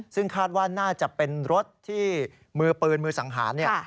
ซึ่งคาดว่าน่าจะเป็นรถที่มือปืนมือสังหารเนี่ย